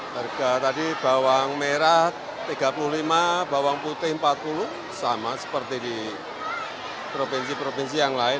harga tadi bawang merah rp tiga puluh lima bawang putih rp empat puluh sama seperti di provinsi provinsi yang lain